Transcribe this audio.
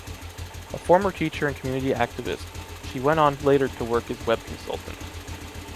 A former teacher and community activist, she went on later to work as web consultant.